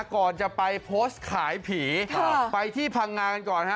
ก่อนจะไปโพสต์ขายผีไปที่พังงากันก่อนฮะ